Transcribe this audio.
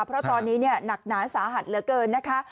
เพราะตอนนี้หนักหนาสาหัสเหลือเกินนะคะ